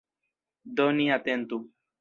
Do ni atentu.